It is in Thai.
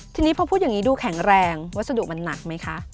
ทีนี้พอพูดอย่างนี้ดูแข็งแรงวัสดุมันหนักไหมคะ